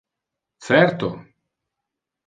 Certo!